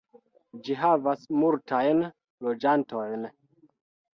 Ĝi havas multajn loĝantojn.